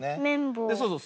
そうそう。